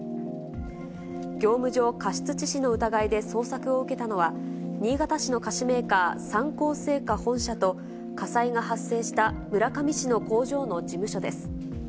業務上過失致死の疑いで捜索を受けたのは、新潟市の菓子メーカー、三幸製菓本社と、火災が発生した村上市の工場の事務所です。